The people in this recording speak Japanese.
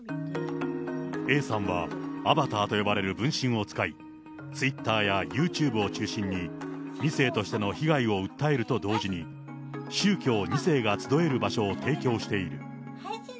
Ａさんはアバターと呼ばれる分身を使い、ツイッターやユーチューブを中心に、２世としての被害を訴えると同時に、宗教２世が集える場所を提供している。